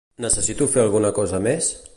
Necessito fer alguna cosa més?